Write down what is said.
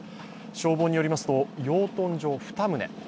消防によりますと、養豚場２棟。